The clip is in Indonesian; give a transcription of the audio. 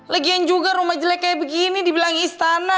legian juga rumah jelek kayak begini dibilang istana